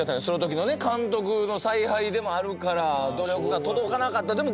その時のね監督の采配でもあるから努力が届かなかった。